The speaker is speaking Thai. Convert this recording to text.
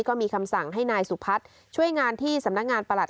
ก็มีคำสั่งให้นายสุพัฒน์ช่วยงานที่สำนักงานประหลัด